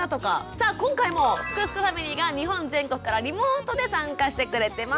さあ今回も「すくすくファミリー」が日本全国からリモートで参加してくれてます。